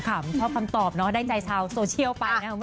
ชอบคำตอบเนาะได้ใจชาวโซเชียลไปนะครับ